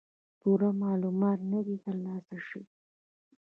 پوره معلومات نۀ دي تر لاسه شوي